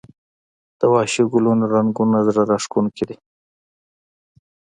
د وحشي ګلونو رنګونه زړه راښکونکي دي